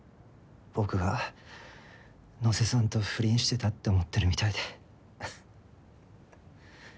僕が野瀬さんと不倫してたって思ってるみたいで。